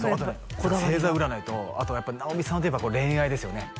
星座占いとあとやっぱり直美さんといえば恋愛ですよね